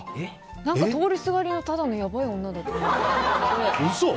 何か通りすがりのただのやばい女だと思われてて。